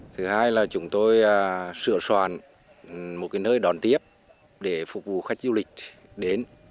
thứ hai là chúng tôi sửa soàn một cái nơi đòn tiếp để phục vụ khách du lịch đến